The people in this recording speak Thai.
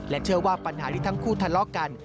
เชื่อว่าปัญหาที่ทั้งคู่ทะเลาะกัน